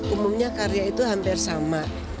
umumnya karya itu hampir sama